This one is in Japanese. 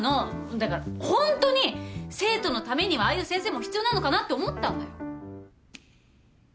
だからホントに生徒のためにはああいう先生も必要なのかなって思ったんだよ。